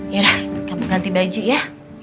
yaudah kamu ganti baju ya